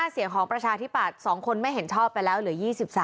เสียงของประชาธิปัตย์๒คนไม่เห็นชอบไปแล้วเหลือ๒๓